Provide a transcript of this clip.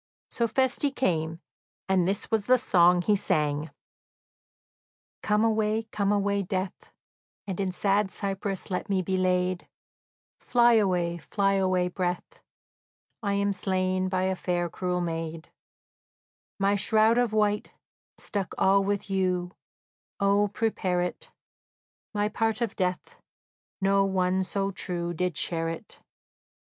So Feste came, and this was the song he sang: "Come away, come away, death, And in sad cypress let me be laid; Fly away, fly away, breath; I am slain by a fair, cruel maid; My shroud of white, stuck all with yew, O, prepare it! My part of death, no one so true Did share it.